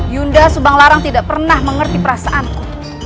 yunda subanglarang tidak pernah mengerti perasaanku